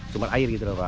sumber air gitu loh pak